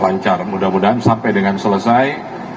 lancar mudah mudahan sampai dengan selesai